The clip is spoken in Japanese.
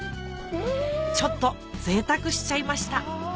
ちょっとぜいたくしちゃいました